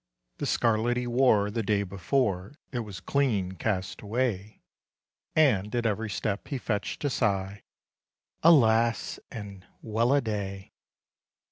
The scarlet he wore the day before It was clean cast away; And at every step he fetched a sigh "Alas! and a well a day!"